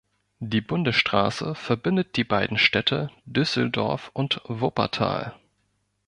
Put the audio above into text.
Die Bundesstraße verbindet die beiden Städte Düsseldorf und Wuppertal.